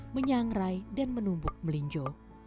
menyangrai dan menumbuk melinjo